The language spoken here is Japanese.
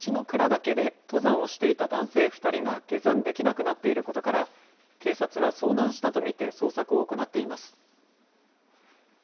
倉岳で登山をしていた男性２人が下山できなくなっていることから、警察は遭難したと見て捜索を行っています。